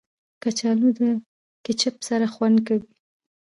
کچالو له کیچپ سره خوند کوي